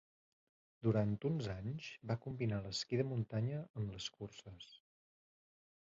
Durant uns anys va combinar l'esquí de muntanya amb les curses.